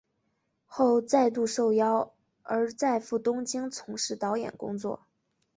后再度受邀而再赴东京从事导演工作。